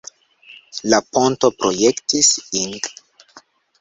La ponton projektis Ing.